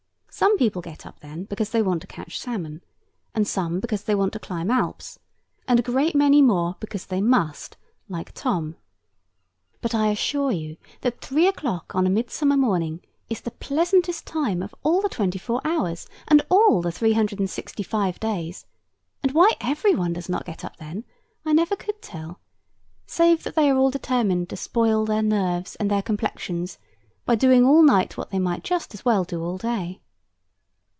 Some people get up then because they want to catch salmon; and some because they want to climb Alps; and a great many more because they must, like Tom. But, I assure you, that three o'clock on a midsummer morning is the pleasantest time of all the twenty four hours, and all the three hundred and sixty five days; and why every one does not get up then, I never could tell, save that they are all determined to spoil their nerves and their complexions by doing all night what they might just as well do all day.